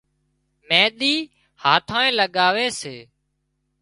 مينۮِي هاٿانئي لڳاوي سي